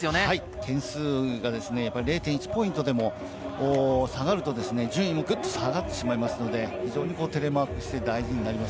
点数が０．１ポイントでも下がると、順位がグッと下がってしまいますので、テレマーク姿勢は大事になります。